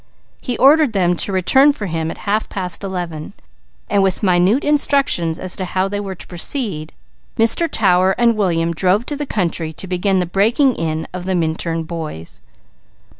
He ordered them to return for him at half past eleven, and with minute instructions as to how they were to proceed, Mr. Tower and William drove to the country to begin the breaking in of the Minturn boys.